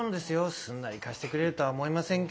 すんなり貸してくれるとは思えませんけどね。